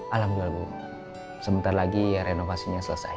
alhamdulillah bu sebentar lagi renovasinya selesai